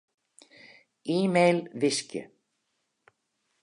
E-mail wiskje.